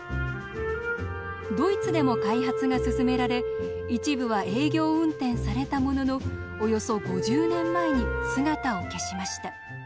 ドイツでも開発が進められ一部は営業運転されたもののおよそ５０年前に姿を消しました。